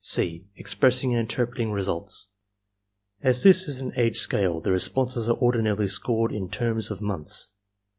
(c) EXPRESSING AND INTERPRETING RESULTS As this is an age scale, the responses are ordinarily scored in terms of months.